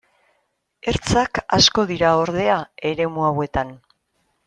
Ertzak asko dira, ordea, eremu hauetan.